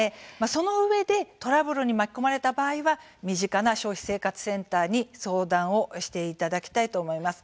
そのうえでトラブルに巻き込まれた場合は身近な消費生活センターに相談をしていただきたいと思います。